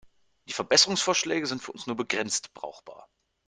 Die Verbesserungsvorschläge sind für uns nur begrenzt brauchbar.